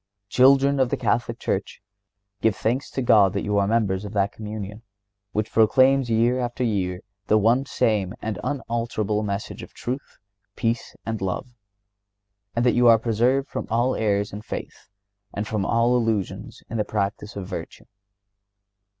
Children of the Catholic Church, give thanks to God that you are members of that Communion, which proclaims year after year the one same and unalterable message of truth, peace and love, and that you are preserved from all errors in faith, and from all illusion in the practice of virtue.